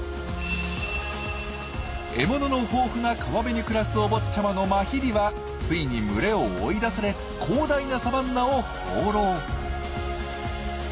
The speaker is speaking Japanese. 獲物の豊富な川辺に暮らすお坊ちゃまのマヒリはついに群れを追い出され広大なサバンナを放浪。